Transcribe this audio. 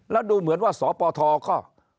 แล้วดูเหมือนว่าสปทก็